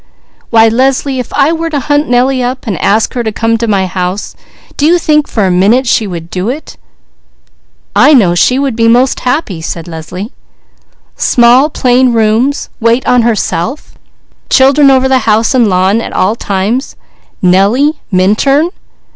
"Why Leslie, if I were to hunt her up and ask her to come to my house, do you think she would do it?" "I know she would be most happy," said Leslie. "Small plain rooms, wait on herself, children over the house and lawn at all times Nellie Minturn?